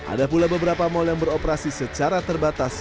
ada pula beberapa mal yang beroperasi secara terbatas